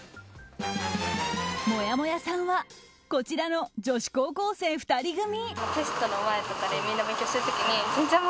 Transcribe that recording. もやもやさんはこちらの女子高校生２人組。